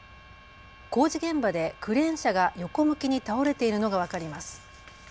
工事現場でクレーン車が横向きに倒れているのが分かります。